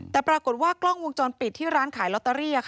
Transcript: แต่ปรากฏว่ากล้องวงจรปิดที่ร้านขายลอตเตอรี่